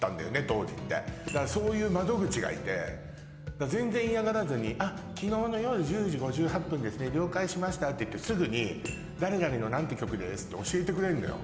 当時ってそういう窓口がいて全然嫌がらずに「昨日の夜１０時５８分ですね了解しました」って言ってすぐに「誰々の何って曲です」って教えてくれるのよ